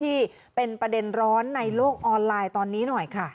ที่เป็นประเด็นร้อนในโลกออนไลน์ตอนนี้หน่อยค่ะ